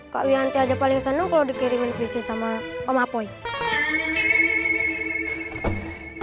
kak wianti aja paling seneng kalo dikirimin puisi sama om apoi